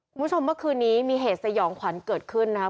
คุณผู้ชมเมื่อคืนนี้มีเหตุสยองขวัญเกิดขึ้นนะครับ